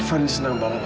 fadil senang banget pak